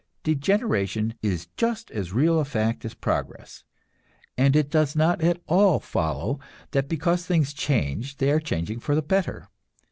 Degeneration is just as real a fact as progress, and it does not at all follow that because things change they are changing for the better.